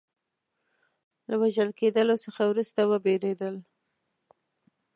له وژل کېدلو څخه وروسته وبېرېدل.